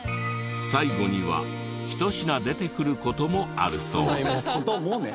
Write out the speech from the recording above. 最後には一品出てくる事もあるそう。